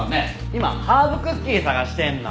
今ハーブクッキー探してんの。